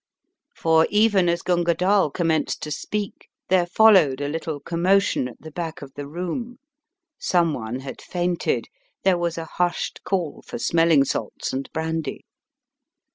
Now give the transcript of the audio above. For even as Gunga Dall commenced to speak there followed a little commotion at the back of the room. Someone had fainted, there was a hushed call for smelling salts and brandy.